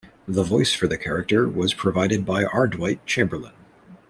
The voice for the character was provided by Ardwight Chamberlain.